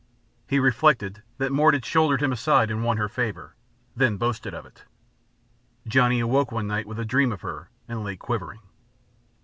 He reflected that Mort had shouldered him aside and won her favor, then boasted of it. Johnny awoke one night with a dream of her, and lay quivering.